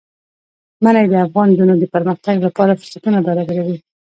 منی د افغان نجونو د پرمختګ لپاره فرصتونه برابروي.